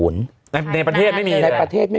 ในประเทศไม่มีอะไร